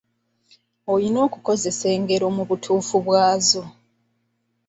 Olina okukozesa engero mu butuufu bwazo.